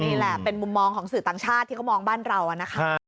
นี่แหละเป็นมุมมองของสื่อต่างชาติที่เขามองบ้านเรานะคะ